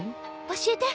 教えて。